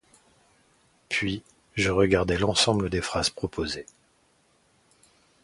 Puis je regardais l’ensemble des phrases proposées.